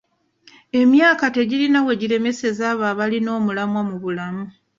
Emyaka tegirina we giremeseza abo abalina omulamwa mu bulamu.